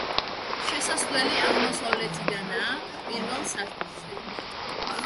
შესასვლელი აღმოსავლეთიდანაა, პირველ სართულზე.